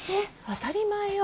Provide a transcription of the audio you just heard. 当たり前よ。